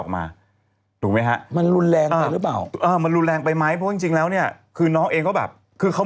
มันรุนแรงไปรึเปล่า